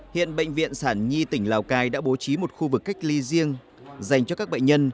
hiện bệnh viện sản nhi tỉnh lào cai đã bố trí một khu vực cách ly riêng dành cho các bệnh nhân